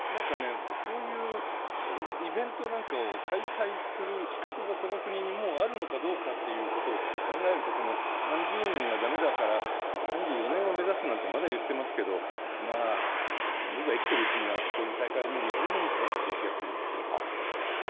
そういうイベントなんかを開催する資格がこの国にあるのかどうかを考えると、考えると、この３０年が駄目だから３４年を目指すなんて言ってますけど僕が生きてるうちには、こういう大会はもう見られないんじゃないかという気がするんです。